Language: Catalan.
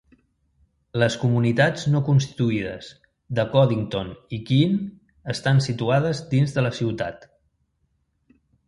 Les comunitats no constituïdes de Coddington i Keene estan situades dins de la ciutat.